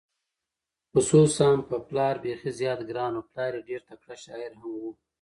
خصوصا په پلار بېخي زیات ګران و، پلار یې ډېر تکړه شاعر هم و،